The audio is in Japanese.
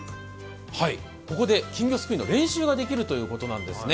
ここで金魚すくいの練習ができるということなんですね。